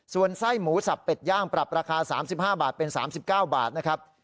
ส่วนไส้หมูสับเป็ดย่างปรับราคา๓๕บาทเป็น๓๙บาทนะครับ